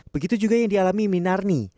begitu juga yang dialami minarni